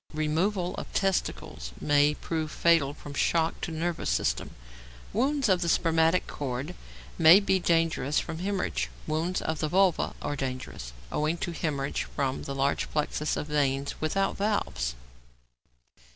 Removal of testicles may prove fatal from shock to nervous system. Wounds of the spermatic cord may be dangerous from hæmorrhage. Wounds to the vulva are dangerous, owing to hæmorrhage from the large plexus of veins without valves.